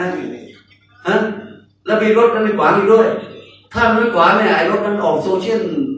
ฮะแล้วมีรถกันในกวางอีกด้วยถ้ามันไม่กวางเนี้ยไอ้รถมันออกโซเชียล